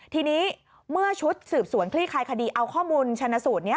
ทีนี้เมื่อชุดสืบสวนคลี่คลายคดีเอาข้อมูลชนะสูตรนี้